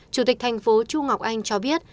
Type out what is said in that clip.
chủ tịch thành phố chu ngọc anh cho biết